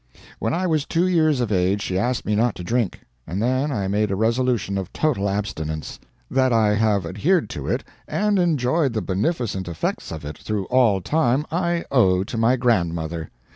When I was two years of age she asked me not to drink, and then I made a resolution of total abstinence. That I have adhered to it and enjoyed the beneficent effects of it through all time, I owe to my grandmother.